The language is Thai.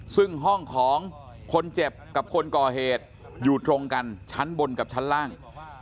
ซึ่งห้องของคนเจ็บกับคนก่อเหตุอยู่ตรงกันชั้นบนกับชั้นล่าง